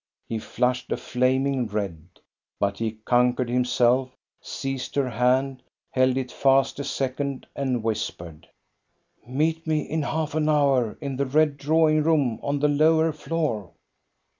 He flushed a flaming red, but he con quered himself, seized her hand, held it fast a second, and whispered :—" Meet me in half an hour in the red drawing room on the lower floor